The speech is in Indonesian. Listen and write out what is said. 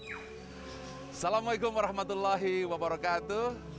assalamualaikum warahmatullahi wabarakatuh